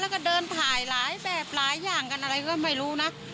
แล้วก็เดินถ่ายหลายแบบหลายอย่างกันอะไรก็ไม่รู้นะ